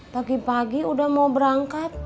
pagi pagi udah mau berangkat